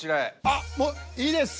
あっもういいです。